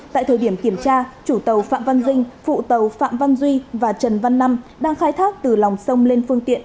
tại thời điểm kiểm tra chủ tàu phạm văn dinh phụ tàu phạm văn duy và trần văn năm đang khai thác từ lòng sông lên phương tiện